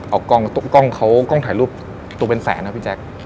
เอากล้องเขากล้องถ่ายรูปตัวเป็นแสนนะพี่แจ๊ค